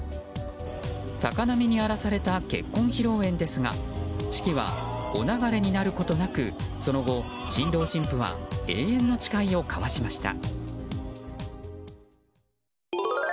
高波に荒らされた結婚披露宴ですが式はお流れになることなくその後、新郎・新婦は永遠の誓いを交わしました。